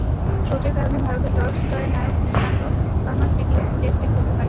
চোটের কারণে ভারতের লর্ডস জয়ের নায়ক ইশান্ত শর্মা তৃতীয় টেস্টে খেলতে পারেননি।